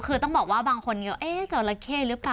คือต้องบอกว่าบางคนก็เอ๊ะจราเข้หรือเปล่า